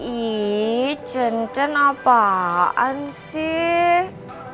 ih cen cen apaan sih